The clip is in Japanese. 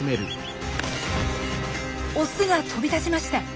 オスが飛び立ちました！